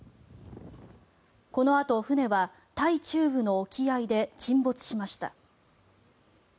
このあと船はタイ中部の沖合で沈没しました。